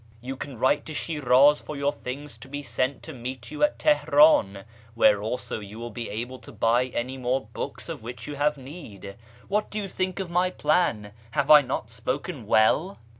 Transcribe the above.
You can write to Shiraz for your things to be sent to meet you at Teherc4n, where also you will be able to buy any more books of whicli you have need. What do you think of my plan ? Have I not spoken well